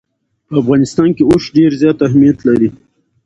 په افغانستان کې اوښ ډېر زیات اهمیت لري.